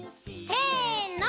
せの。